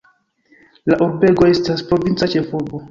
La urbego estas provinca ĉefurbo.